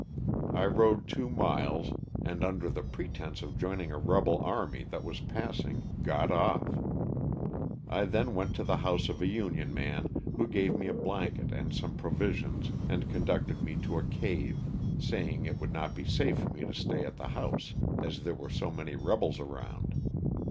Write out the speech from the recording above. I rode two miles, and under the pretense of joining a rebel army that was passing, got off. I then went to the house of a Union man who gave me a blanket and some pro visions and conducted me to a cave, saying it would not be safe for me to stay at the house as there were so many rebels around.